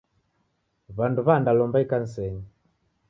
W'andu w'andalomba ikanisenyi.